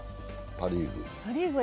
パ・リーグ。